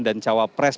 dan jawab pres